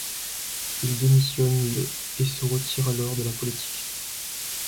Il démissionne le et se retire alors de la politique.